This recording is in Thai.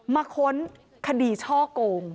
ค้นคดีช่อกง